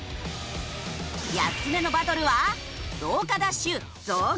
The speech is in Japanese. ８つ目のバトルは。